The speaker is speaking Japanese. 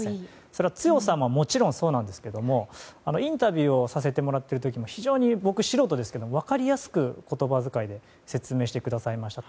それは強さももちろんそうなんですけどインタビューをさせてもらっている時も僕、素人ですが分かりやすい言葉遣いで説明してくださいました。